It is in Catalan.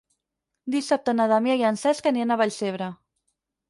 Dissabte na Damià i en Cesc aniran a Vallcebre.